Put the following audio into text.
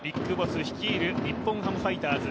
ＢＩＧＢＯＳＳ率いる日本ハムファイターズ。